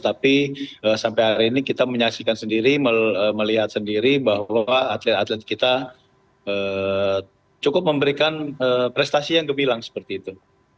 tapi sampai hari ini kita menyaksikan sendiri melihat sendiri bahwa atlet atlet kita cukup memberikan prestasi yang gemilang seperti itu